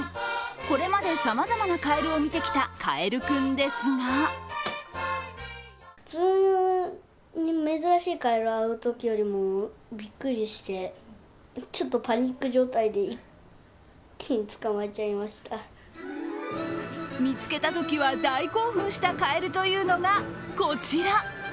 これまでさまざまなカエルを見てきたかえるクンですが見つけたときは大興奮したカエルというのがこちら。